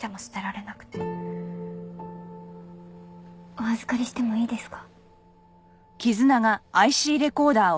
お預かりしてもいいですか？